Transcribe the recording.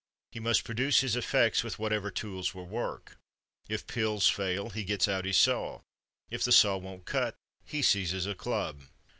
He must produce his effects with whatever tools will work. If pills fail, he gets out his saw. If the saw won't cut, he seizes a club....